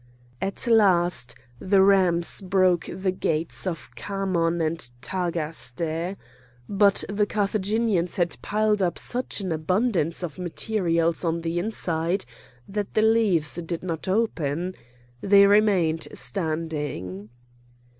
At last the rams broke the gates of Khamon and Tagaste. But the Carthaginians had piled up such an abundance of materials on the inside that the leaves did not open. They remained standing.